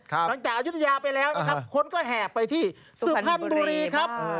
อายุทยาไปแล้วนะครับคนก็แห่ไปที่สุพรรณบุรีครับ